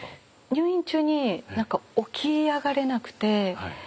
入院中に何か起き上がれなくて。